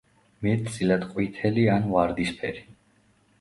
მეტწილად ყვითელი ან ვარდისფერი.